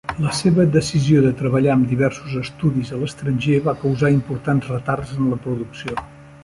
La seva decisió de treballar amb diversos estudis a l'estranger va causar importants retards en la producció.